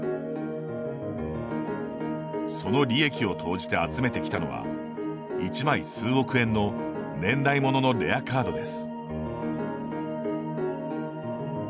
その利益を投じて集めてきたのは１枚数億円の年代物のレアカードです。